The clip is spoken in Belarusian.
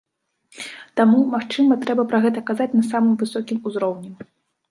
Таму, магчыма, трэба пра гэта казаць на самым высокім узроўні.